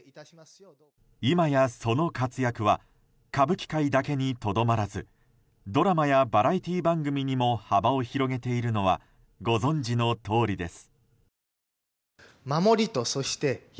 今や、その活躍は歌舞伎界だけにとどまらずドラマやバラエティー番組にも幅を広げているのはご存じのとおりです。